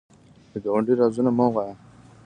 د ګاونډي رازونه مه وایه